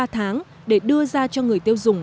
tháng để đưa ra cho người tiêu dùng